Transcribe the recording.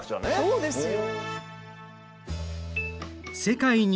そうですよ。